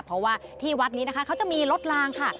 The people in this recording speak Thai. เพราะว่าที่วัดนี้นะคะเขาจะมีรถลางค่ะ